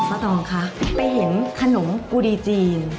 พ่อตองคะไปเห็นขนมกูดีจริง